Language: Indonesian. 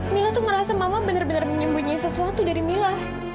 mila tuh ngerasa mama bener bener menyembunyikan sesuatu dari mila